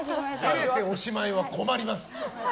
照れておしまいは困ります！